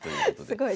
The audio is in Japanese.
すごい。